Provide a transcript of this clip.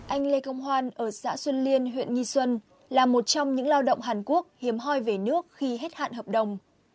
anh lê công hoan ở xã xuân liên huyện nghi xuân là một trong những lao động hàn quốc hiếm hoi về nước khi hết hạn hợp đồng